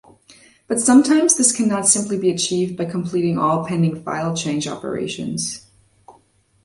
But sometimes, this cannot simply be achieved by completing all pending file change operations.